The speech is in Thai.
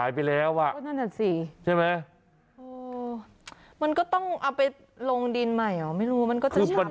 อ้าวเหรอ